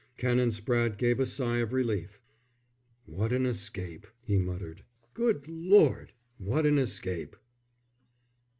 Canon Spratte gave a sigh of relief. "What an escape!" he muttered. "Good Lord, what an escape!"